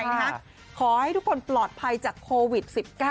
ขอให้ทุกคนปลอดภัยจากโควิด๑๙